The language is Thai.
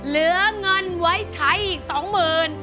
เหลือเงินไว้ใช้อีกสองหมื่น